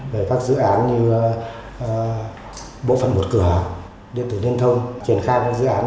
về các dự án như bộ phận một cửa điện tử liên thông triển khai các dự án